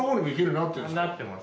なってます